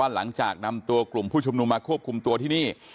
หลังจากนำตัวกลุ่มผู้ชุมนุมมาควบคุมตัวที่นี่